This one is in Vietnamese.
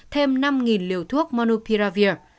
thêm năm liều thuốc monopiravir